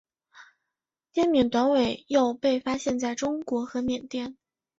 滇缅短尾鼩被发现在中国和缅甸。